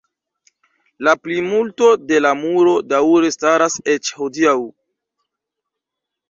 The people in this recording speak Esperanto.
La plimulto de la muro daŭre staras eĉ hodiaŭ.